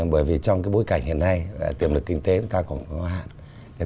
bởi vì trong bối cảnh hiện nay tiềm lực kinh tế của chúng ta còn có hạn